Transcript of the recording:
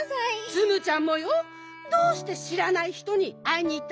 ツムちゃんもよ。どうしてしらないひとにあいにいったりしたの？